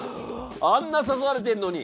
あんな刺されてんのに。